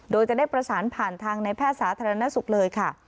โดยจะได้ประสานผ่านทางในแพทย์สาธารณสุขเลยค่ะ